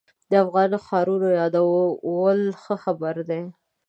د افغاني ښارونو یادول ښه خبره ده.